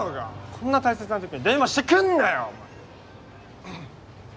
こんな大切なときに電話してくんなよ！